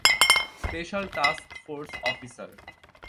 Special task force officer.